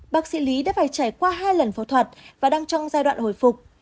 bác sĩ lý đã phải trải qua hai lần phẫu thuật và đang trong giai đoạn hồi phục